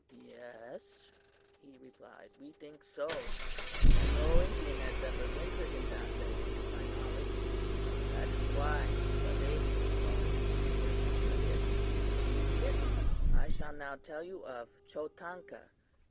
"Yes," he replied, "we think so; and no Indian has ever ventured in that lake to my knowledge. That is why the lake is called Mysterious," he repeated. "I shall now tell you of Chotanka.